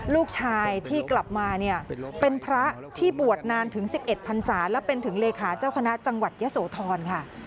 ลูกชายที่กลับมาเนี่ยเป็นพระที่บวชนานถึง๑๑พันศาและเป็นถึงเลขาเจ้าคณะจังหวัดยะโสธรค่ะ